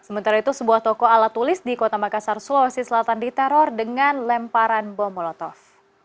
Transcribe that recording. sementara itu sebuah toko ala tulis di kota makassar sulawesi selatan diteror dengan lemparan bom molotov